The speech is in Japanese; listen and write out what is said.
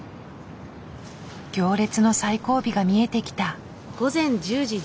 行列の最後尾が見えてきた。